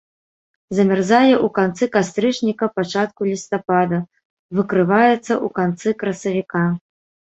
Замярзае ў канцы кастрычніка-пачатку лістапада, выкрываецца ў канцы красавіка.